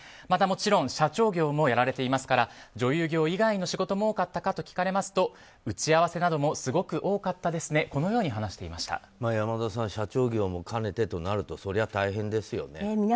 また、もちろん社長業もやられていますから女優業以外の仕事も多かったかと聞かれますと打ち合わせなどもすごく多かったですねと山田さん、社長業を兼ねているとなると大変ですよね。